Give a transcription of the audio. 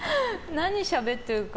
何しゃべってるか。